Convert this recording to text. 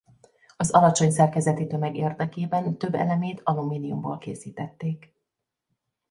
Az alacsony szerkezeti tömeg érdekében több elemét alumíniumból készítették.